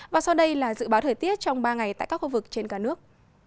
và sau đây là dự báo thời tiết trong ba ngày tại các khu vực trên cả nước